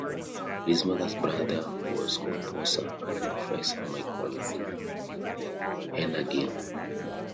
His mother's brother was composer and professor Michael Hennagin.